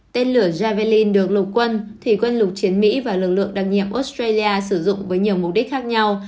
tên lửa javalin được lục quân thủy quân lục chiến mỹ và lực lượng đặc nhiệm australia sử dụng với nhiều mục đích khác nhau